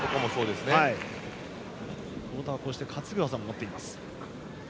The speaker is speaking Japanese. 太田は担ぐ技も持っています。